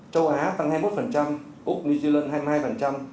châu á tăng hai mươi một úc new zealand hai mươi